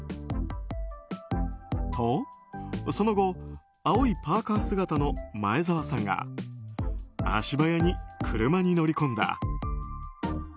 と、その後青いパーカ姿の前澤さんが足早に車に乗り込んだ。